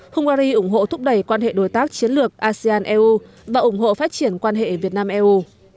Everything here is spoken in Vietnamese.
hungary ủng hộ thúc đẩy quan hệ đối tác chiến lược asean eu và ủng hộ phát triển quan hệ việt nam eu